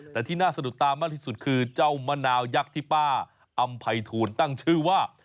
แต่ที่น่าสะดุดตามากที่สุดคือเจ้ามะนาวยักษ์ที่ป้าอำไพทูลตั้งชื่อว่า